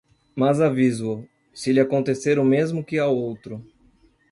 Mas aviso-o: se lhe acontecer o mesmo que ao outro